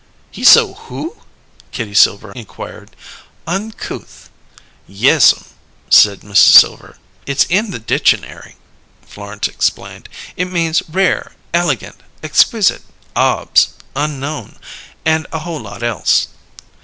"He so who?" Kitty Silver inquired. "Uncouth." "Yes'm," said Mrs. Silver. "It's in the ditchanary," Florence explained. "It means rare, elegant, exquisite, obs, unknown, and a whole lot else."